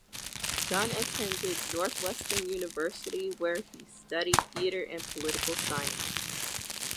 Dunn attended Northwestern University, where he studied theatre and political science.